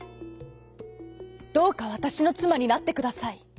「どうかわたしのつまになってください」。